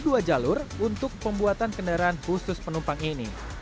dan tiga jalur untuk pembuatan kendaraan khusus penumpang ini